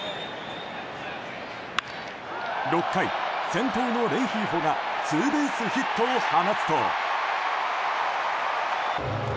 ６回先頭のレンヒーフォがツーベースヒットを放つと。